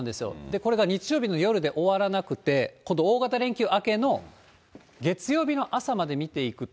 これが日曜日の夜で終わらなくて、今度、大型連休明けの月曜日の朝まで見ていくと。